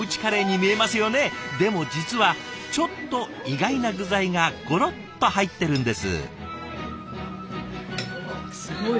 でも実はちょっと意外な具材がゴロッと入ってるんです。